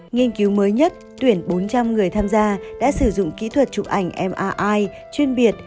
nghiên cứu mới nhất tuyển bốn trăm linh người tham gia đã sử dụng kỹ thuật chụp ảnh mi chuyên biệt